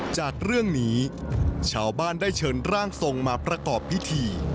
จากเรื่องนี้ชาวบ้านได้เชิญร่างทรงมาประกอบพิธี